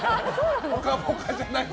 「ぽかぽか」じゃないです。